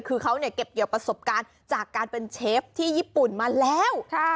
คือเขาเก็บเกี่ยวประสบการณ์จากการเป็นเชฟที่ญี่ปุ่นมาแล้ว